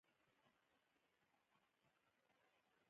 ازادي راډیو د امنیت په اړه د محلي خلکو غږ خپور کړی.